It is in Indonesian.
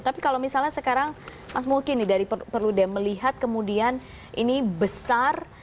tapi kalau misalnya sekarang mas mulki nih dari perludem melihat kemudian ini besar